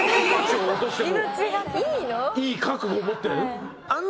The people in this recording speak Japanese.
いい覚悟を持って？